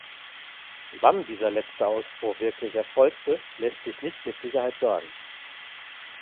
Wann dieser letzte Ausbruch wirklich erfolgte, lässt sich nicht mit Sicherheit sagen.